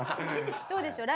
どうでしょう？